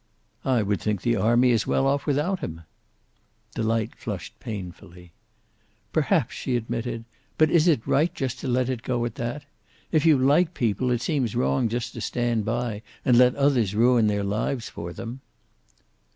"I would think the army is well off without him." Delight flushed painfully. "Perhaps," she admitted. "But is it right just to let it go at that? If you like people, it seems wrong just to stand by and let others ruin their lives for them."